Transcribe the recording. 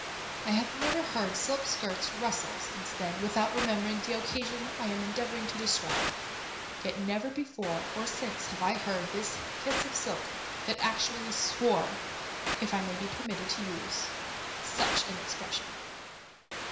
I have never heard silk skirts rustle since then without remembering the occasion I am endeavouring to describe; yet never before or since have I heard the hiss of silk that actually swore, if I may be permitted the use of such an expression.